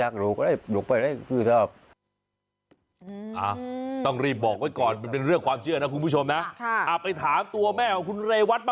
คือมันที่ว่า